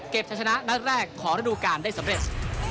จะชนะนัดแรกของระดูการได้สำเร็จ